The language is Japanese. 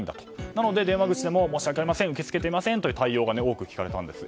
なので電話口でも申し訳ありません受け付けていませんという対応が多く聞かれたんです。